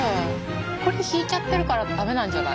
これひいちゃってるから駄目なんじゃない？